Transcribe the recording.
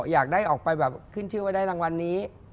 อยากได้ออกไปแบบขึ้นชื่อว่าได้รางวัลนี้